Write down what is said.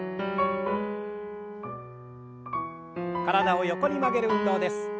体を横に曲げる運動です。